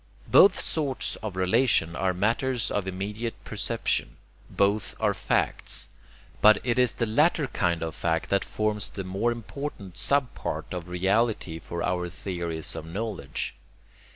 Both sorts of relation are matters of immediate perception. Both are 'facts.' But it is the latter kind of fact that forms the more important sub part of reality for our theories of knowledge.